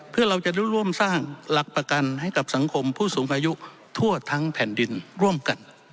เพื่อเราจะได้ร่วมสร้างหลักประกันให้กับสังคมผู้สูงอายุทั่วทั้งแผ่นดินร่วมกัน